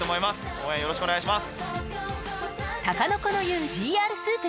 応援よろしくお願いします。